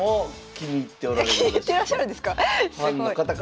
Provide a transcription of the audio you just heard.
気に入ってらっしゃるんですか？